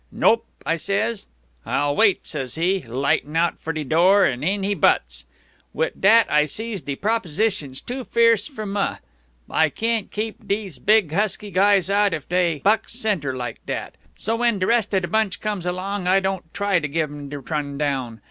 'Nope,' I says. 'I'll wait,' says he, lightin' out for de door, and in he butts. Wit' dat I sees de proposition's too fierce for muh. I can't keep dese big husky guys out if dey bucks center like dat. So when de rest of de bunch comes along, I don't try to give dem de trun down.